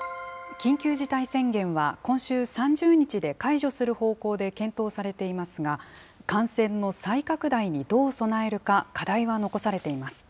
緊急事態宣言は今週３０日で解除する方向で検討されていますが、感染の再拡大にどう備えるか、課題は残されています。